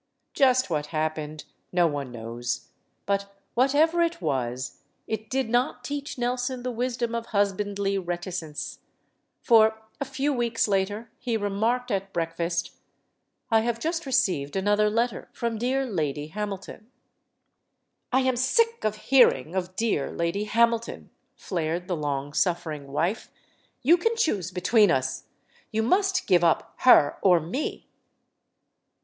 Just what happened no one knows. But whatever it was, it did not teach Nelson the wisdom of husbandly reticence. For, a few weeks later, he remarked at breakfast: LADY HAMILTON 269 "I have just received another letter from dear Lady Hamilton." "I am sick of hearing of 'dear' Lady Hamilton!" flared the long suffering wife. "You can choose be tween us. You must give up her or me."